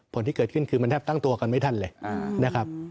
ผลที่เกิดขึ้นคือมันแทบตั้งตัวกันไม่ทันเลยนะครับ